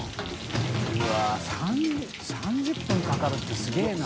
Δ錣３０分かかるってすげぇな。